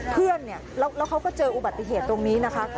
เพื่อนเนี่ยแล้วเขาก็เจออุบัติเหตุตรงนี้นะคะ